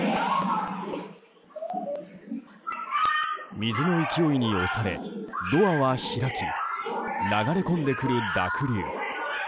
水の勢いに押されドアは開き流れ込んでくる濁流。